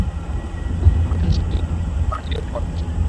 কবিতা না শুনলে হয়তো রাজিও হতে পারত সে।